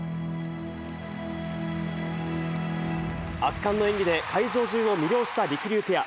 圧巻の演技で、会場中を魅了したりくりゅうペア。